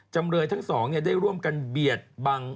จำเลยทั้งสองได้ร่วมกันเบียดบัง